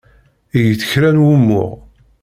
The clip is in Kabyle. Eg-d kra n wumuɣ.